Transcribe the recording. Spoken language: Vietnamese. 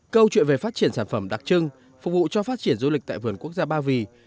câu chuyện về phát triển sản phẩm đặc trưng phục vụ cho phát triển du lịch tại vườn quốc gia ba vì